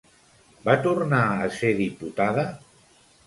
Va tornar a ser diputada?